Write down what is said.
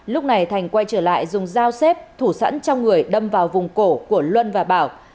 lúc này thành quay trở lại dùng dao xếp thủ sẵn trong người đâm vào vùng cổ của luân và bảo